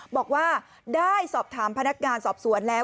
บอกว่าได้สอบถามพนักงานสอบสวนแล้ว